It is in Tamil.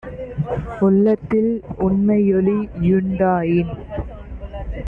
உள்ளத்தில் உண்மையொளி யுண்டாயின்